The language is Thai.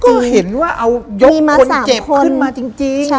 ก็เห็นว่าเอายกคนเจ็บขึ้นมาจริง